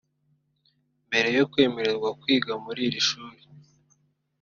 Mbere yo kwemererwa kwiga muri iri shuri